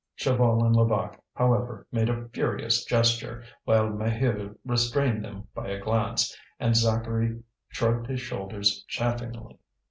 Chaval and Levaque, however, made a furious gesture, while Maheu restrained them by a glance, and Zacharie shrugged his shoulders chaffingly.